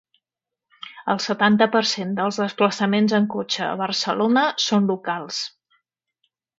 El setanta per cent dels desplaçaments en cotxe a Barcelona són locals.